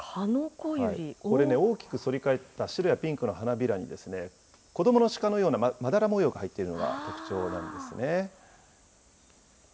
これね、大きく反り返った白やピンクの花びらに、子どもの鹿のようなまだら模様が入っているのが特徴なんですね。